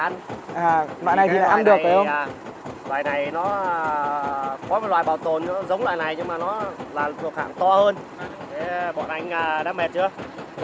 nằm bên ống xả bên này thì mình nằm bên này